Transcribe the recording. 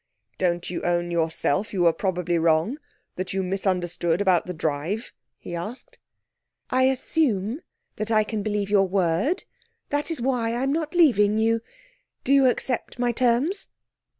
'Don't you own yourself you were probably wrong that you misunderstood about the drive?' he asked. 'I assume that I can believe your word that is why I'm not leaving you. Do you accept my terms?'